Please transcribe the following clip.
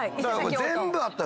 全部あった。